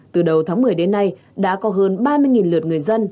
từ đầu tháng một mươi đến nay đã có hơn ba mươi lượt người dân